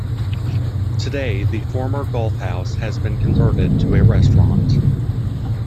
Today the former golf house has been converted to a restaurant.